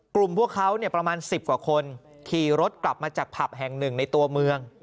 พวกเขาประมาณ๑๐กว่าคนขี่รถกลับมาจากผับแห่งหนึ่งในตัวเมือง